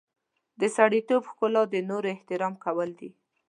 د سړیتوب ښکلا د نورو احترام کول دي.